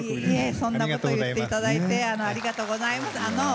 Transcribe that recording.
そんなこと言っていただいてありがとうございます。